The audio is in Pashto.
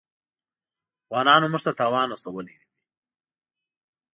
افغانانو موږ ته تاوان رسولی وي.